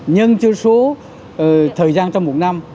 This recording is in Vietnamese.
nhưng chưa số thời gian trong một năm